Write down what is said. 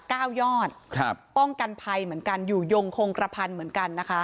ยอดครับป้องกันภัยเหมือนกันอยู่ยงคงกระพันเหมือนกันนะคะ